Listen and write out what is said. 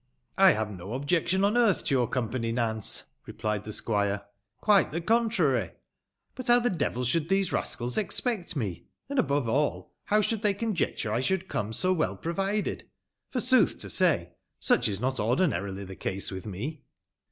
"I bare no objection on earth to your Company, Nance," replied the squire: "quite the contrary. But how the devil «hoüld these rascals expeet meP And, above all, how should they conjecture I should come so well provided ? For, sooth to say, such is not ordinarily the case with me."